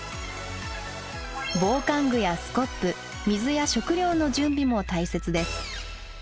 防寒具やスコップ水や食料の準備も大切です。